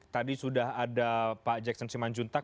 tadi sudah ada pak jackson siman juntak